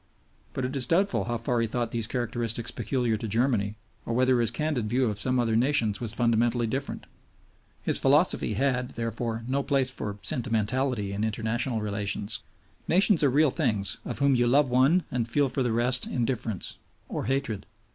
But it is doubtful how far he thought these characteristics peculiar to Germany, or whether his candid view of some other nations was fundamentally different. His philosophy had, therefore, no place for "sentimentality" in international relations. Nations are real things, of whom you love one and feel for the rest indifference or hatred.